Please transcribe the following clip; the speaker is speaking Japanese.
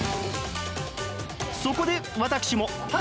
そこで私も。